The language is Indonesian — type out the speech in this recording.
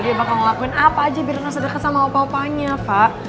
dia bakal ngelakuin apa aja biar gak sederet sama opa opanya fak